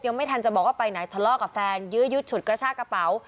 ไม่ทันจะบอกว่าไปไหนทะเลาะกับแฟนยื้อยุดฉุดกระชากระเป๋า